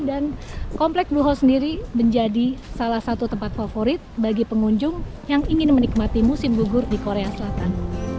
dan komplek blue house sendiri menjadi salah satu tempat favorit bagi pengunjung yang ingin menikmati musim gugur di korea selatan